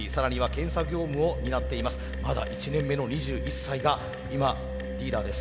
まだ１年目の２１歳が今リーダーです。